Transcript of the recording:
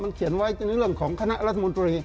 เขียนไว้ในเรื่องของคณะรัฐมนตรี